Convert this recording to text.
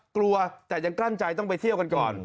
กลัวแต่ยังกลั้นใจต้องไปเที่ยวกันก่อน